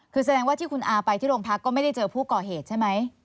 คือแสดงว่าที่คุณอาไปที่โรงพักก็ไม่ได้เจอผู้ก่อเหตุใช่ไหม